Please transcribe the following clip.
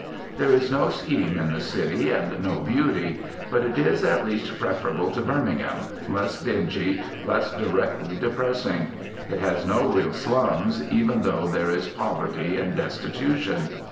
There is no scheme in the city, and no beauty, but it is at least preferable to Birmingham, less dingy, less directly depressing. It has no real slums, even though there is poverty and destitution.